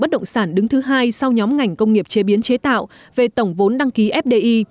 bất động sản đứng thứ hai sau nhóm ngành công nghiệp chế biến chế tạo về tổng vốn đăng ký fdi